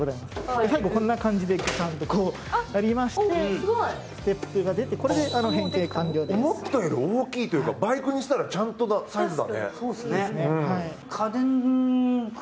最後こんな感じでガチャンとこうなりましてステップが出てこれで変形完了です思ったより大きいというかバイクにしたらちゃんとなサイズだね